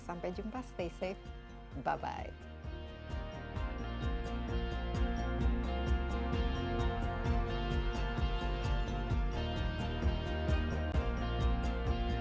sampai jumpa stay safe bye bye